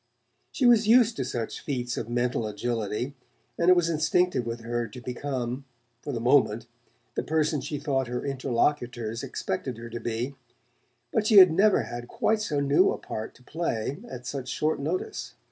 She was used to such feats of mental agility, and it was instinctive with her to become, for the moment, the person she thought her interlocutors expected her to be; but she had never had quite so new a part to play at such short notice.